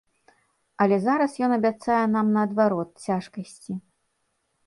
Але зараз ён абяцае нам, наадварот, цяжкасці.